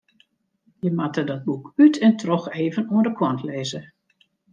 Je moatte dat boek út en troch even oan de kant lizze.